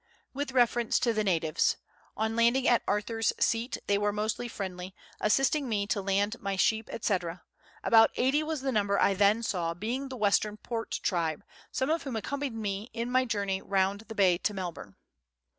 With reference to the natives: On landing at Arthur's Seat, they were most friendly, assisting me to land my sheep, &c. About 80 was the number I then saw, being the Western Port tribe, some of whom accompanied me in my journey round the Bay to Melbourne.